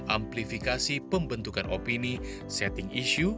amplifikasi pembentukan opini setting issue